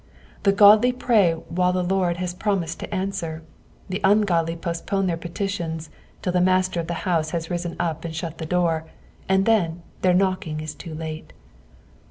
The godly pray while the Lord has promised to answer, the ungodly postpone their petitions till the Master of the house has riseu up aod shut to the door, and then their knocking is too late.